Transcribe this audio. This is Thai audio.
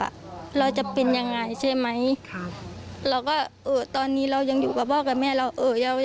อ่ะเราจะเป็นยังไงใช่ไหมแล้วก็ตอนนี้เรายังอยู่กับพ่อกับแม่เรา